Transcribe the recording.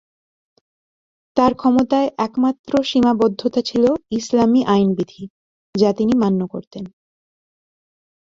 তার ক্ষমতায় একমাত্র সীমাবদ্ধতা ছিল ইসলামী আইনবিধি, যা তিনি মান্য করতেন।